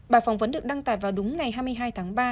bà phỏng vấn được đăng tải vào đúng ngày hai mươi hai tháng ba